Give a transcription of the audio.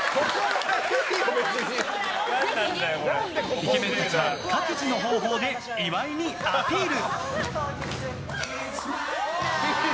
イケメンたちは各自の方法で岩井にアピール。